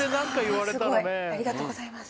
ありがとうございます